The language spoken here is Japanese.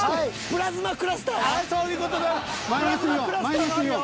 プラズマクラスターもあるよ。